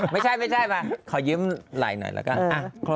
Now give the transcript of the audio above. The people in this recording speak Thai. มาค่ะไม่ใช่มาขอยิ้มไหล่หน่อยแล้วก็